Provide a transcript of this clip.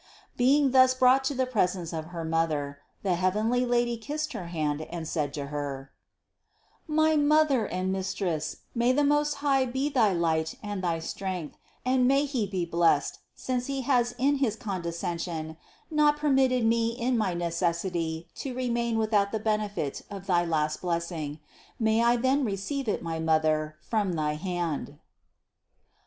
Being thus brought to the presence of her mother, the heavenly Lady kissed her hand and said to her: "My mother and mistress, may the Most High be thy light and thy strength, and may He be blessed, since He has in his condescension not permitted me in my necessity to remain without the benefit of thy last blessing; may I then receive it, my mother, from thy hand."